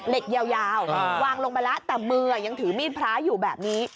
ยาววางลงไปแล้วแต่มือยังถือมีดพระอยู่แบบนี้